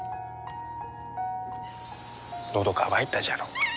のど渇いたじゃろ。